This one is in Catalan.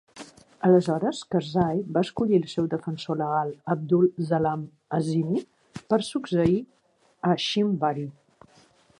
Aleshores Karzai va escollir el seu defensor legal, Abdul Salam Azimi, per succeir a Shinwari.